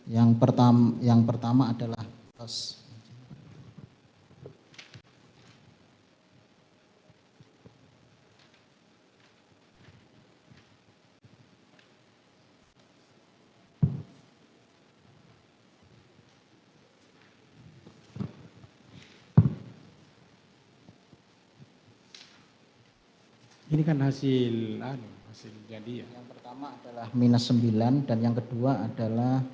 yang pertama adalah